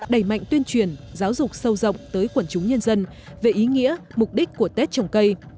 đẩy mạnh tuyên truyền giáo dục sâu rộng tới quần chúng nhân dân về ý nghĩa mục đích của tết trồng cây